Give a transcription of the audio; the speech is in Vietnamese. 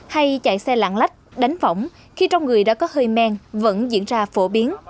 hay chạy xe lạng lách đánh phỏng khi trong người đã có hơi men vẫn diễn ra phổ biến